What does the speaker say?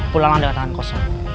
pulanglah dengan tangan kosong